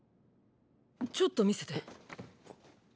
ちょっと見せて。